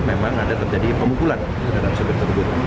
memang ada terjadi pemukulan dalam sopir tersebut